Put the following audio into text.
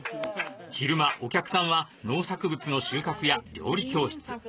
昼間お客さんは農作物の収穫や料理教室